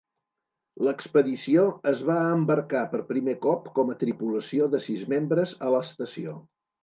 L'expedició es va embarcar per primer cop com a tripulació de sis membres a l'estació.